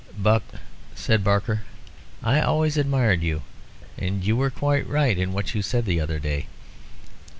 "Buck," said Barker, "I always admired you. And you were quite right in what you said the other day."